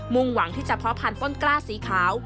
มุ่งหวังที่จะพ่อผ่านต้นกล้าสีขาว